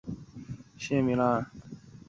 其可被描述为可观测变异。